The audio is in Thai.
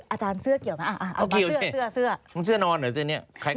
อาจารย์เสื้อเกี่ยวไหม